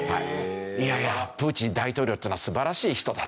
いやいやプーチン大統領というのは素晴らしい人だと。